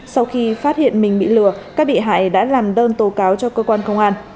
sau khi phát hiện mình bị lừa các bị hại đã làm đơn tố cáo cho cơ quan công an